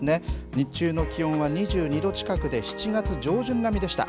日中の気温は２２度近くで７月上旬並みでした。